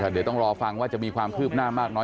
เดี๋ยวต้องรอฟังว่าจะมีความคืบหน้ามากน้อย